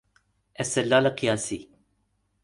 استدلال قیاسی